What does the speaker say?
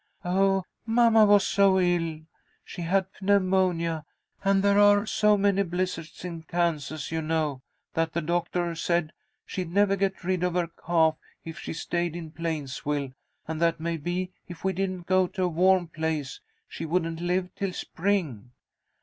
"Oh, mamma was so ill. She had pneumonia, and there are so many blizzards in Kansas, you know, that the doctor said she'd never get rid of her cough if she stayed in Plainsville, and that maybe if we didn't go to a warm place she wouldn't live till spring.